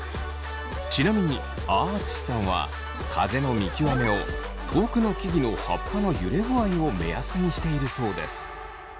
ちなみにあああつしさんは風の見極めを遠くの木々の葉っぱの揺れ具合を目安にしているそうです。